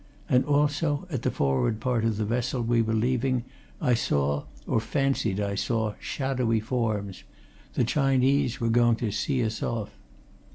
And also, at the forward part of the vessel we were leaving I saw, or fancied I saw, shadowy forms the Chinese were going to see us off.